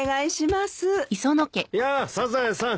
・やあサザエさん。